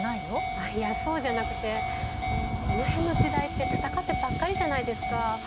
あっいやそうじゃなくてこの辺の時代って戦ってばっかりじゃないですか。